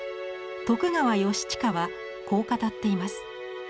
徳川義親はこう語っています。